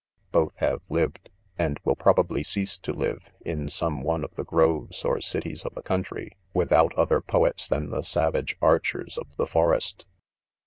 Both have liv ed, and will probably cease to live, ; in some one of the grove.s or! cities of a country, with out other poets than the savage archers of the forest.